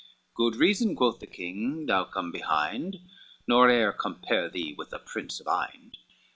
"Good reason," quoth the king, "thou come behind, Nor e'er compare thee with the Prince of Ind."